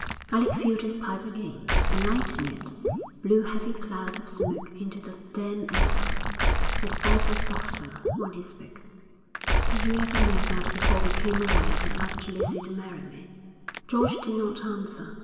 Alec filled his pipe again, and lighting it, blew heavy clouds of smoke into the damp air. His voice was softer when he spoke. 'Did you ever know that before we came away I asked Lucy to marry me?' George did not answer.